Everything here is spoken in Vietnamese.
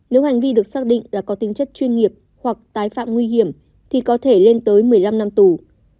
nếu hành vi được xác định là có tính chất chuyên nghiệp hoặc tái phạm nguy hiểm thì có thể lên tới một mươi năm năm tù